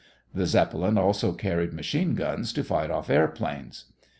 The Zeppelin also carried machine guns to fight off airplanes.